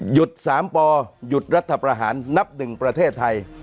หยุดสามปอหยุดรัฐประหารนับหนึ่งประเทศไทย